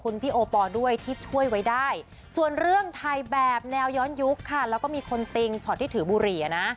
แนวย้อนยุคค่ะแล้วก็มีคนติ่งช็อตที่ถือบุหรี่อ่ะนะ